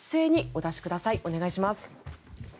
お願いします。